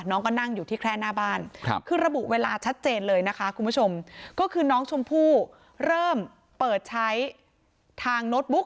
น้องก็นั่งอยู่ที่แค่หน้าบ้านคือระบุเวลาชัดเจนเลยนะคะคุณผู้ชมก็คือน้องชมพู่เริ่มเปิดใช้ทางโน้ตบุ๊ก